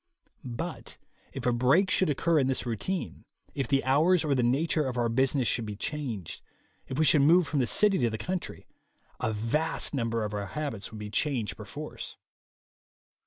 But if a break should occur in this routine, if the hours or the nature of our business should be changed, if we should move from the city to the country, a vast number of our habits would be changed perforce.